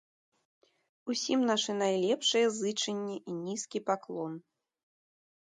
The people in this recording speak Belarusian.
Усім нашы найлепшыя зычэнні і нізкі паклон.